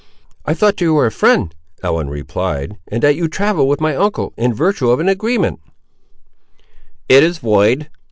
"I thought you were a friend," Ellen replied; "and that you travelled with my uncle, in virtue of an agreement—" "It is void!